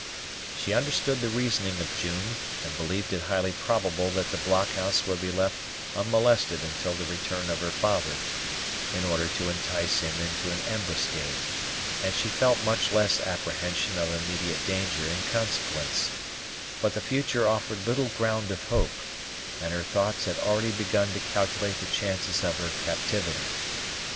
She understood the reasoning of June, and believed it highly probable that the blockhouse would be left unmolested until the return of her father, in order to entice him into an ambuscade, and she felt much less apprehension of immediate danger in consequence; but the future offered little ground of hope, and her thoughts had already begun to calculate the chances of her captivity.